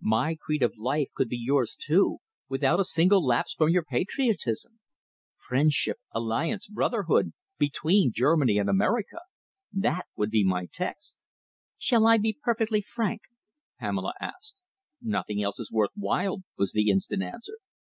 My creed of life could be yours, too, without a single lapse from your patriotism. Friendship, alliance, brotherhood, between Germany and America. That would be my text." "Shall I be perfectly frank?" Pamela asked. "Nothing else is worth while," was the instant answer.